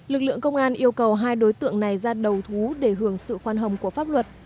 lực lượng công an yêu cầu hai đối tượng này ra đầu thú để hưởng sự khoan hồng của pháp luật